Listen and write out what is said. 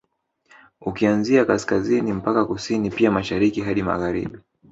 Ukianzia Kaskazini mpaka Kusini pia Mashariki hadi Magharibi